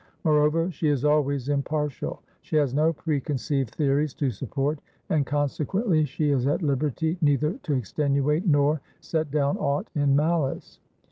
Moreover, she is always impartial: she has no preconceived theories to support, and consequently she is at liberty neither to extenuate nor set down aught in malice.